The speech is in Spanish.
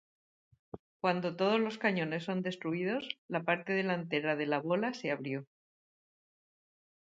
Cuando todos los cañones son destruidos, la parte delantera de la bola se abrió.